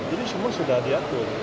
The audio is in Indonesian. jadi semua sudah diatur